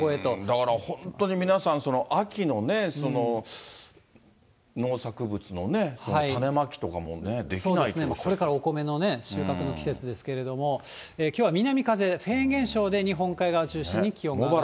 だから本当に皆さん、秋のね、農作物のね、これからお米のね、収穫の季節ですけれども、きょうは南風、フェーン現象で日本海側を中心に気温が上がっております。